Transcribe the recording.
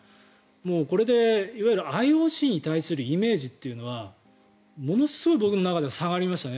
これで、ＩＯＣに対するイメージというのはものすごく僕の中では下がりましたね。